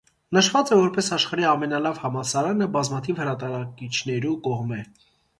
Նշուած է որպէս աշխարհի ամենալաւ համալսարանը բազմաթիւ հրատարակիչներու կողմէ։